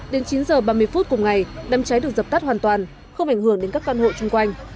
đến chín h ba mươi phút cùng ngày đám cháy được dập tắt hoàn toàn không ảnh hưởng đến các căn hộ chung quanh